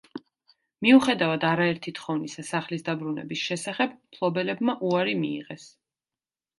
მიუხედავად არაერთი თხოვნისა სახლის დაბრუნების შესახებ, მფლობელებმა უარი მიიღეს.